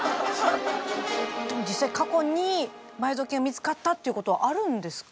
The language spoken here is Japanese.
でも実際過去に埋蔵金が見つかったっていうことはあるんですか？